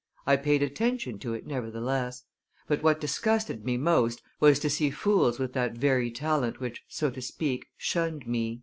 I paid attention to it, nevertheless; but what disgusted me most was to see fools with that very talent which, so to speak, shunned me."